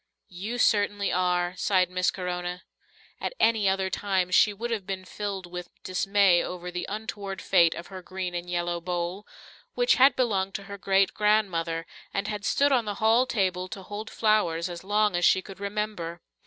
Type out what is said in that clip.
"You certainly are," sighed Miss Corona. At any other time she would have been filled with dismay over the untoward fate of her green and yellow bowl, which had belonged to her great grandmother and had stood on the hall table to hold flowers as long as she could remember.